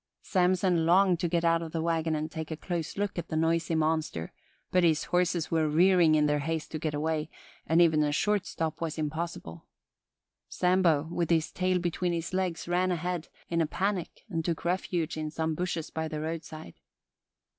Samson longed to get out of the wagon and take a close look at the noisy monster, but his horses were rearing in their haste to get away, and even a short stop was impossible. Sambo, with his tail between his legs, ran ahead, in a panic, and took refuge in some bushes by the roadside.